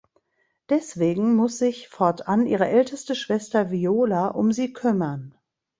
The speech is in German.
Deswegen muss sich fortan ihre älteste Schwester Viola um sie kümmern.